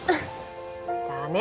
駄目！